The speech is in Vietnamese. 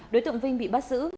đối tượng vinh bị bắt giữ